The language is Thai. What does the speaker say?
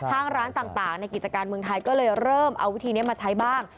ทางร้านต่างในกิจการเมืองไทยก็เลยเริ่มเอาวิธีนี้มาใช้บ้าง